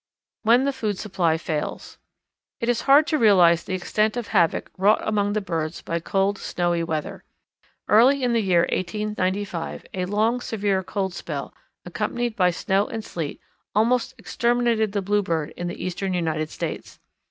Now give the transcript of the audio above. When the Food Supply Fails. It is hard to realize the extent of the havoc wrought among birds by cold, snowy weather. Early in the year 1895 a long, severe cold spell, accompanied by snow and sleet, almost exterminated the Bluebird in the eastern United States.